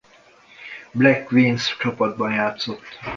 Black Queens csapatban játszott.